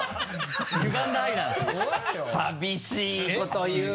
寂しいこと言う。